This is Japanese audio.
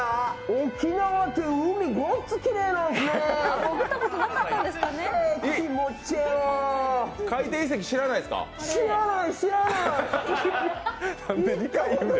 沖縄って海、ごっつきれいなんですね。